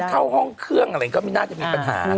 เข้าห้องเครื่องอะไรก็ไม่น่าจะมีปัญหา